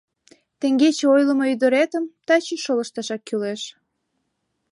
Теҥгече ойлымо ӱдыретым таче шолышташак кӱлеш.